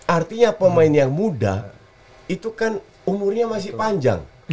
artinya pemain yang muda itu kan umurnya masih panjang